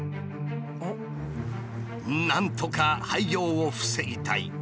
なんとか廃業を防ぎたい。